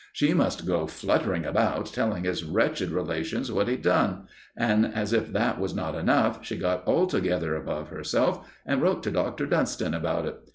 She must go fluttering about telling his wretched relations what he'd done; and, as if that was not enough, she got altogether above herself and wrote to Dr. Dunston about it.